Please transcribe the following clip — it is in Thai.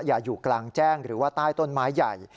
อยู่กลางแจ้งหรือว่าใต้ต้นไม้ใหญ่